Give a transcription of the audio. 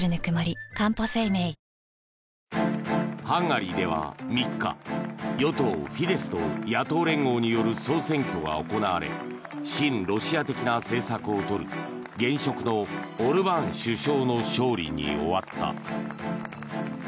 ハンガリーでは３日与党フィデスと野党連合による総選挙が行われ親ロシア的な政策をとる現職のオルバーン首相の勝利に終わった。